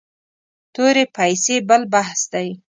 تورې پیسې بل بحث دی.